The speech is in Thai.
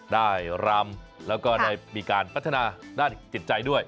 รำแล้วก็ได้มีการพัฒนาด้านจิตใจด้วย